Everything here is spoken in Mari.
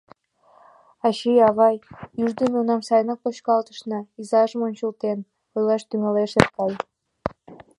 — Ачай, авай, ӱждымӧ унам сайынак почкалтышна, — изажым ончылтен, ойлаш тӱҥалеш Эркай.